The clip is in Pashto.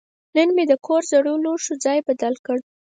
نن مې د کور زړو لوښو ځای بدل کړ.